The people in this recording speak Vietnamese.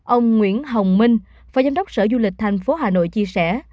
ông nguyễn hồng minh phó giám đốc sở du lịch thành phố hà nội chia sẻ